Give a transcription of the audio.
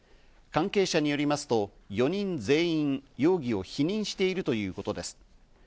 関係者によりますと、４人全員容疑を否認しているということです。